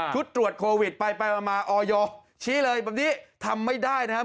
ตรวจโควิดไปมาออยชี้เลยแบบนี้ทำไม่ได้นะครับ